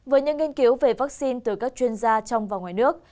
với những nghiên cứu về vắc xin từ các chuyên gia trong và ngoài nước